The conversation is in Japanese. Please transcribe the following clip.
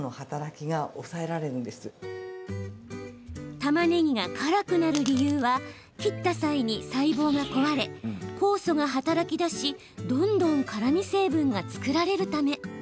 たまねぎが辛くなる理由は切った際に、細胞が壊れ酵素が働きだしどんどん辛み成分が作られるため。